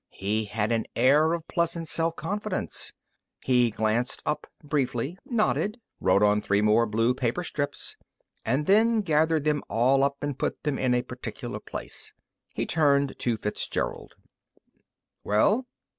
He had an air of pleasant self confidence. He glanced up briefly, nodded, wrote on three more blue paper strips, and then gathered them all up and put them in a particular place. He turned to Fitzgerald. "Well?"